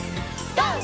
ＧＯ！